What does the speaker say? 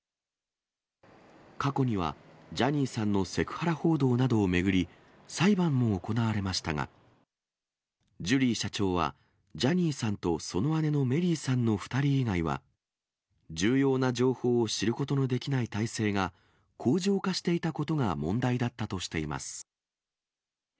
過去にはジャニーさんのセクハラ報道などを巡り、裁判も行われましたが、ジュリー社長は、ジャニーさんとその姉のメリーさんの２人以外は重要な情報を知ることのできない体制が恒常化していたことが問題だったとしています。